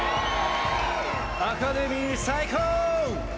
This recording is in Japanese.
アカデミー最高！